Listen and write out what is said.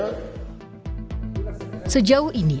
sejauh ini ada yang menyebutkan